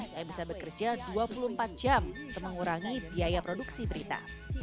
saya bisa bekerja dua puluh empat jam untuk mengurangi biaya produksi berita